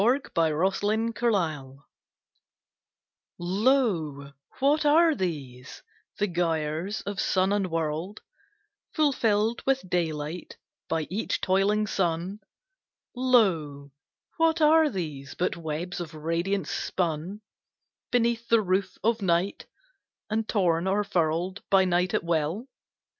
THE NEMESIS OF SUNS Lo, what are these, the gyres of sun and world, Fulfilled with daylight by each toiling sun Lo, what are these but webs of radiance spun Beneath the roof of Night, and torn or furled By Night at will?